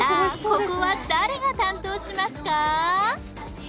ここは誰が担当しますか？